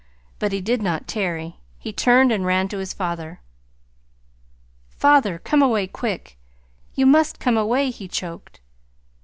But he did not tarry. He turned and ran to his father. "Father, come away, quick! You must come away," he choked.